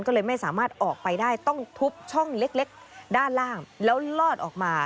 ก็เลยไม่สามารถออกไปได้ต้องทุบช่องเล็กด้านล่างแล้วลอดออกมา